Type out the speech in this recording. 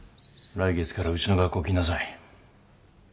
来月からうちの学校来なさい。